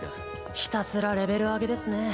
ひたすらレベル上げですね。